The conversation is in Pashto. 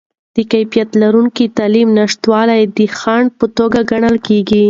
د کیفیت لرونکې تعلیم نشتوالی د خنډ په توګه ګڼل کیږي.